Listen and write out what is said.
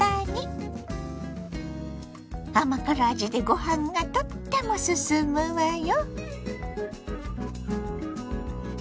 甘辛味でご飯がとってもすすむわよ。